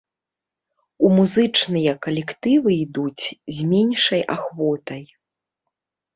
У музычныя калектывы ідуць з меншай ахвотай.